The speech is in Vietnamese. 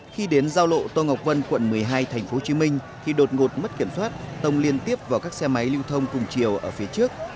khi đến giao lộ tô ngọc vân quận một mươi hai tp hcm thì đột ngột mất kiểm soát tông liên tiếp vào các xe máy lưu thông cùng chiều ở phía trước